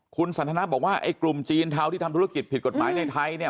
คุณสันทนาบอกว่าไอ้กลุ่มจีนเทาที่ทำธุรกิจผิดกฎหมายในไทยเนี่ย